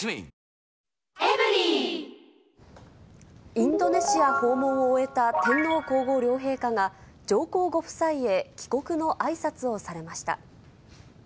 インドネシア訪問を終えた天皇皇后両陛下が、上皇ご夫妻へ帰国のあいさつをされました。